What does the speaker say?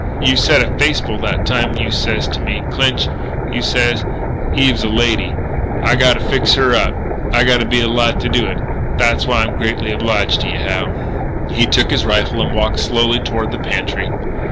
"You said a face full that time when you says to me, 'Clinch,' you says, 'Eve is a lady.' ... I gotta fix her up. I gotta be alive to do it.... That's why I'm greatly obliged to yeh, Hal." He took his rifle and walked slowly toward the pantry.